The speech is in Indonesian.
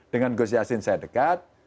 dengan gus yassin saya dekat